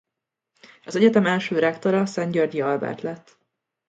Az egyetem első rektora Szent-Györgyi Albert lett.